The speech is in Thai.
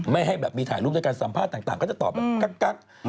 ให้แบบมีถ่ายรูปด้วยการสัมภาษณ์ต่างก็จะตอบแบบกั๊ก